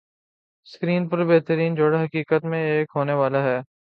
screen پر بہترین جوڑا حقیقت میں ایک ہونے والا ہے